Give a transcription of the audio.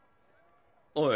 おい